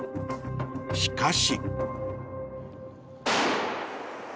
しかし。